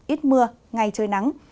ít mưa ngày trời nắng